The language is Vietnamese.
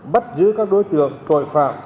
bắt giữ các đối tượng tội phạm